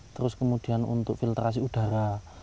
terus kemudian untuk filterasi udara